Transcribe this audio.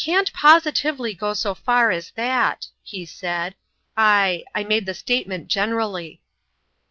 159 "I can't positively go so far as that," lie said. u I I made the statement generally."